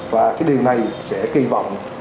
và cái điều này sẽ kỳ vọng